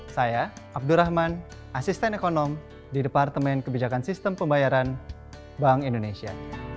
saya abdurrahman asisten ekonom di departemen kebijakan sistem pembayaran bank indonesia